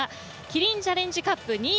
キリンチャレンジカップ２０２２